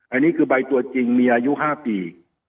อันนี้คือใบตัวจริงมีอายุ๕ปี